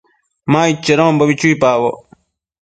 Ma aid chedonbo chuipaboc